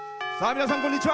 皆さん、こんにちは。